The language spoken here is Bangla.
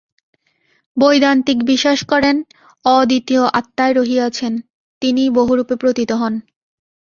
বৈদান্তিক বিশ্বাস করেন, অদ্বিতীয় আত্মাই রহিয়াছেন, তিনিই বহু রূপে প্রতীত হন।